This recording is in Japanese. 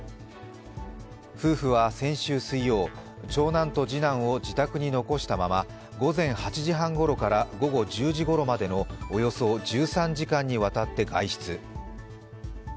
夫婦は先週水曜、長男と次男を自宅に残したまま午前８時半ごろから、午後１０時ごろまでのおよそ１３時間にわたって外出。